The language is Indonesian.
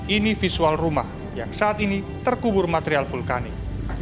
ini visual rumah yang saat ini terkubur material vulkanik